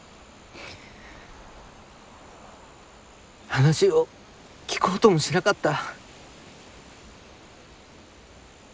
話を聞こうともしなかった。